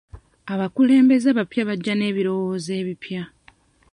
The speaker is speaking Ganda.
Abakulembeze abapya bajja n'ebirowoozo ebipya.